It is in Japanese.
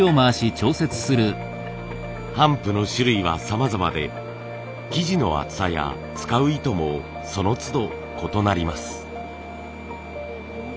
帆布の種類はさまざまで生地の厚さや使う糸もそのつど異なります。